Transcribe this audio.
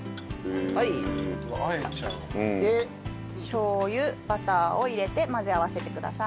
しょう油バターを入れて混ぜ合わせてください。